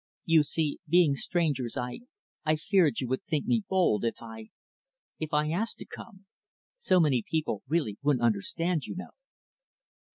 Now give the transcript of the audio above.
You see, being strangers, I I feared you would think me bold if I if I asked to come. So many people really wouldn't understand, you know."